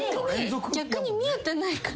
逆に見えてないから。